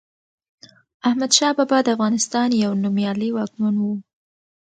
احمد شاه بابا دافغانستان يو نوميالي واکمن وه